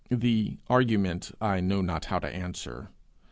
The argument I know not how to answer.